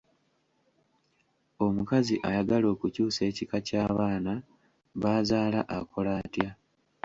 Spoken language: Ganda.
Omukazi ayagala okukyusa ekika ky'abaana b'azaala akola atya?